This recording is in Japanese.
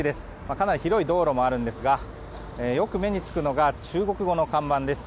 かなり広い道路もあるんですがよく目につくのが中国語の看板です。